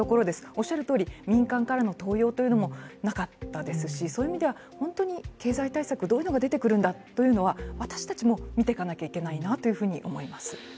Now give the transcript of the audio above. おっしゃるとおり、民間からの登用というのもなかったですしそういう意味では、本当に経済対策どういうのが出てくるんだというのは私たちも見ていかなきゃいけないなというふうに思います。